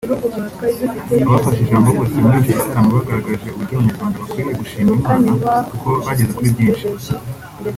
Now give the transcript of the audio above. Abafashe ijambo bose muri icyo gitaramo bagaragaje uburyo Abanyarwanda bakwiriye gushima Imana kuko bageze kuri byinshi